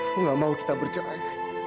aku gak mau kita bercerai